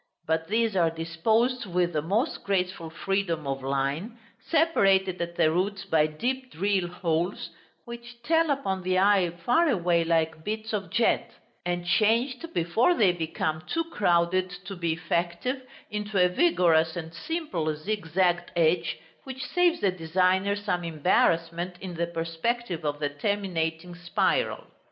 But these are disposed with the most graceful freedom of line, separated at the roots by deep drill holes, which tell upon the eye far away like beads of jet; and changed, before they become too crowded to be effective, into a vigorous and simple zigzagged edge, which saves the designer some embarrassment in the perspective of the terminating spiral.